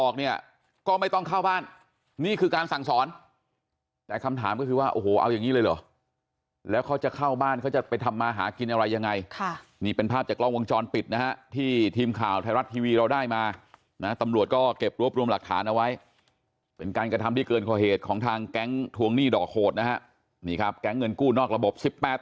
เนี่ยก็ไม่ต้องเข้าบ้านนี่คือการสั่งสอนแต่คำถามก็คือว่าโอ้โหเอาอย่างนี้เลยเหรอแล้วเขาจะเข้าบ้านเขาจะไปทำมาหากินอะไรยังไงค่ะนี่เป็นภาพจากกล้องวงจรปิดนะฮะที่ทีมข่าวไทยรัฐทีวีเราได้มานะตำรวจก็เก็บรวบรวมหลักฐานเอาไว้เป็นการกระทำที่เกินกว่าเหตุของทางแก๊งทวงหนี้ดอกโหดนะฮะนี่ครับแก๊งเงินกู้นอกระบบ๑๘